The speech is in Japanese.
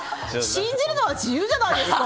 信じるのは自由じゃないですか。